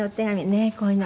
ねえ、こういうの。